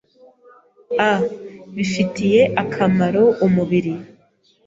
a bifitiye akamaro umubiri.